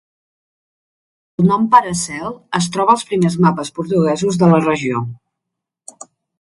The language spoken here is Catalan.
El nom "Paracel" es troba als primers mapes portuguesos de la regió.